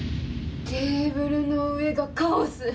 テーブルの上がカオス。